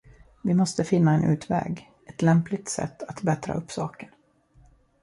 Vi måste finna en utväg, ett lämpligt sätt att bättra upp saken.